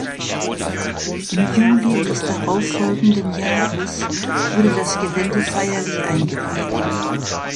Im Juli des darauffolgenden Jahres wurde das Gelände feierlich eingeweiht.